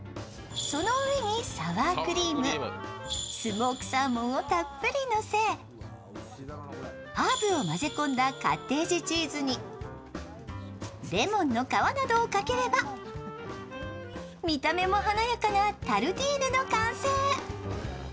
その上にサワークリーム、スモークサーモンをたっぷりのせ、ハーブを混ぜ込んだカッテージチーズに、レモンの皮などをかければ見た目も華やかなタルティーヌの完成。